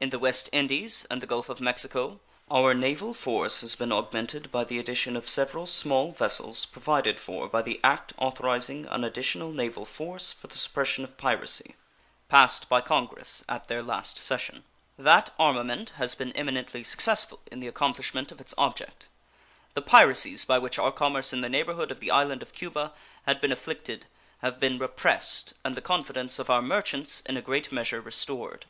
In the West Indies and the Gulf of Mexico our naval force has been augmented by the addition of several small vessels provided for by the "act authorizing an additional naval force for the suppression of piracy", passed by Congress at their last session. That armament has been eminently successful in the accomplishment of its object. The piracies by which our commerce in the neighborhood of the island of Cuba had been afflicted have been repressed and the confidence of our merchants in a great measure restored.